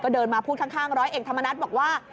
เดินมาพูดข้างร้อยเอกธรรมนัฐบอกว่า